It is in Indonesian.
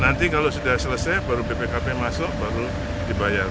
nanti kalau sudah selesai baru bpkp masuk baru dibayar